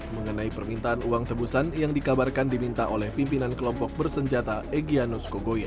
mengenai permintaan uang tebusan yang dikabarkan diminta oleh pimpinan kelompok bersenjata egyanus kogoya